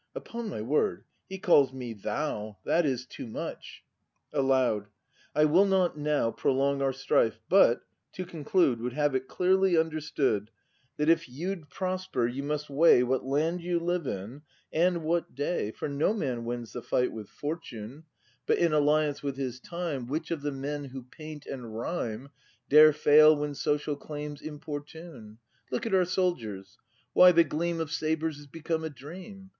] Upon my word he calls me "Thou"; That is too much! — [Aloud.] I will not now Prolong our strife, but, to conclude, Would have it clearly understood, That if you'd prosper, you must weigh What land you live in, and what day. For no man wins the fight with fortune, ACT V] BRAND 245 But in alliance with liis time. Which of the men who paint and rhyme Dare fail when social claims importune ? Look at our soldiers! Why, the gleam Of sabres is become a dream!